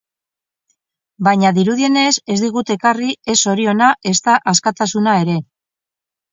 Baina dirudienez ez digute ekarri ez zoriona, ezta askatasuna ere.